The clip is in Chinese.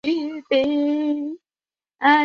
只有可兼选言的情况才属肯定选言谬误。